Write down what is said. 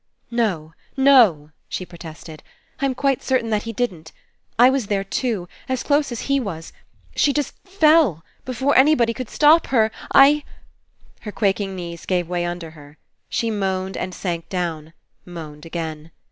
"No, no!" she protested. ^Tm quite certain that he didn't. I was there, too. As close as he was. She just fell, before anybody could stop her. I —" Her quaking knees gave way under her. She moaned and sank down, moaned again.